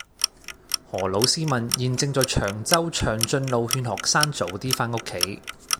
何老師問現正在長洲長俊路勸學生早啲返屋企